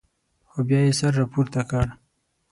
خو بیا یې سر راپورته کړ.